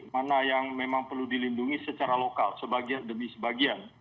mana yang memang perlu dilindungi secara lokal sebagian demi sebagian